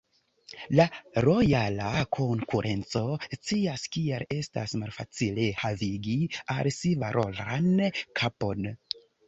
La Lojala Konkurenco scias, kiel estas malfacile havigi al si valoran kapon.